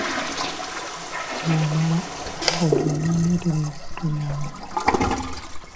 Bw’omala, ogende ondeetere ebintu byange.